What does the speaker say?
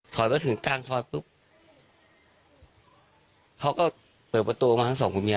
ถอดไปถึงกลางตอนพร้อมพรุ่งเขาก็เปิดประตูออกมาทั้ง๒คุณมียะ